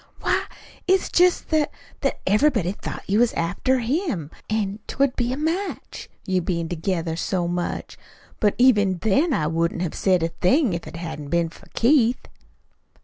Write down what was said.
"Why, it's jest that that everybody thought you was after him, an't would be a match you bein' together so much. But even then I wouldn't have said a thing if it hadn't been for Keith."